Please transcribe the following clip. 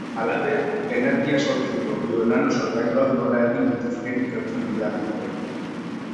Halaber, energia sortzeko bio-nano sorgailuak nola egin litezkeen ikertzen dihardute.